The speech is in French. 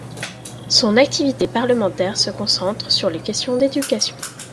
Son activité parlementaire se concentre sur les questions d'éducation.